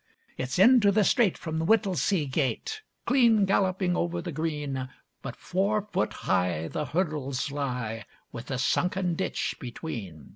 It's into the straight from the Whittlesea gate, Clean galloping over the green, But four foot high the hurdles lie With a sunken ditch between.